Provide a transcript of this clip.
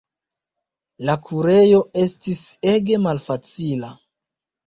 La kurejo estis ege malfacila.